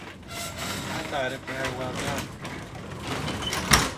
I thought it very well done.